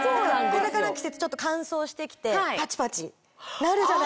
これからの季節ちょっと乾燥してきてパチパチなるじゃないですか。